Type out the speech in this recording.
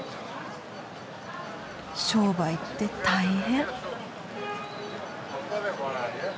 商売って大変。